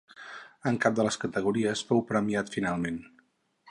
En cap de les categories fou premiat finalment.